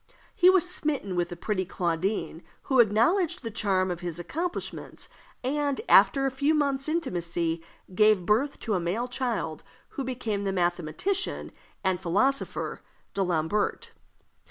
He was smitten with the pretty Claudine, who acknowledged the charm of his accomplishments, and, after a few months' intimacy, gave birth to a male child, who became the mathematician and philosopher D'Alembert.